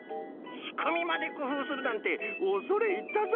しくみまでくふうするなんておそれいったぞい！